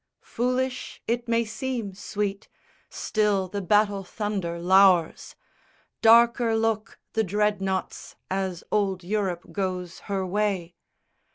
VII Foolish it may seem, sweet! Still the battle thunder lours: Darker look the Dreadnoughts as old Europe goes her way!